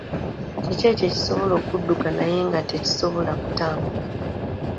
Kiki ekyo ekisobola okudduka naye nga tekisobola kutambula?